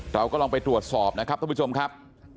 เราก็ลองไปตรวจสอบนะครับท่านผู้ชมครับ